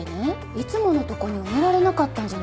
いつものとこに埋められなかったんじゃないかな